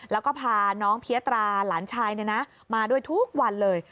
แล้วก็พาน้องเพียตราหลานชายมาด้วยทุกวันเลย